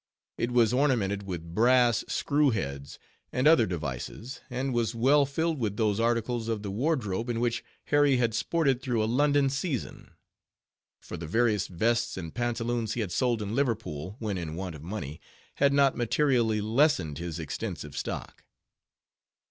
It was ornamented with brass screw heads, and other devices; and was well filled with those articles of the wardrobe in which Harry had sported through a London season; for the various vests and pantaloons he had sold in Liverpool, when in want of money, had not materially lessened his extensive stock.